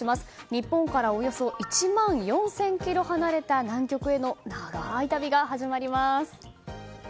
日本からおよそ１万４０００ｋｍ離れた南極への長い旅が始まります。